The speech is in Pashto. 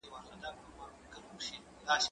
زه اوږده وخت د کتابتون لپاره کار کوم!؟